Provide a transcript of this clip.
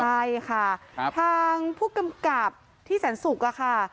ใช่ค่ะทางผู้กำกับที่แสนศุกร์ค่ะ